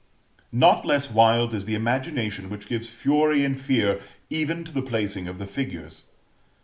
Not less wild is the imagination which gives fury and fear even to the placing of the figures.